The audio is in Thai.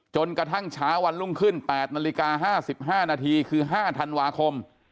จนกระทั่งเช้าวันรุ่งขึ้น๘นาฬิกา๕๕นาทีคือ๕ธันวาคม